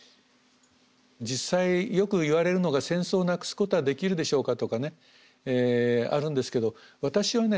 実際よく言われるのが戦争をなくすことはできるでしょうかとかねあるんですけど私はね